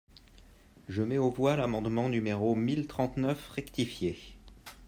Je mets aux voix l’amendement numéro mille trente-neuf rectifié.